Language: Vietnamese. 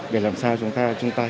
để làm sao chúng ta trung tay